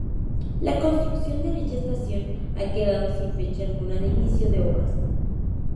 La construcción de dicha estación ha quedado sin fecha alguna de inicio de obras.